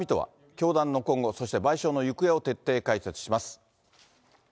教団の今後、そして賠償の行方を徹底解説します。